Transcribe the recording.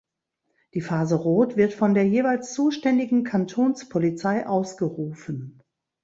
Die Phase Rot wird von der jeweils zuständigen Kantonspolizei ausgerufen.